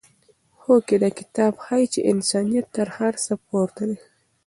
هوکې دا کتاب ښيي چې انسانیت تر هر څه پورته دی.